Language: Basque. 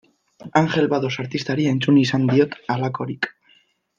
Angel Bados artistari entzun izan diot halakorik.